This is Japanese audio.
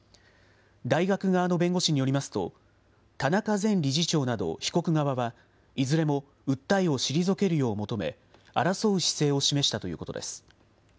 大学側の弁護士によりますと、田中前理事長など被告側は、いずれも訴えを退けるよう求め、争う姿勢を示したということです。